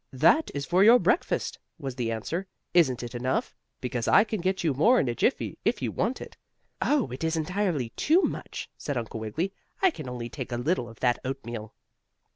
"That is for your breakfast," was the answer. "Isn't it enough? Because I can get you more in a jiffy, if you want it." "Oh, it is entirely too much," said Uncle Wiggily. "I can only take a little of that oatmeal."